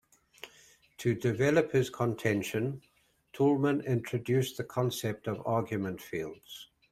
To develop his contention, Toulmin introduced the concept of argument fields.